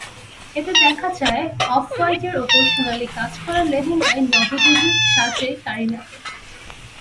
এতে দেখা যায় অফ-হোয়াইটের ওপর সোনালি কাজ করা লেহেঙ্গায় নববধূর সাজে কারিনাকে।